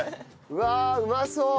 うわあうまそう！